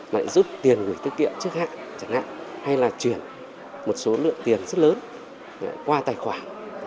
lại rút tiền gửi tiết kiệm trước hạn chẳng hạn hay là chuyển một số lượng tiền rất lớn qua tài khoản